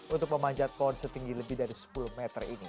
untuk memanjat pohon setinggi lebih dari sepuluh meter ini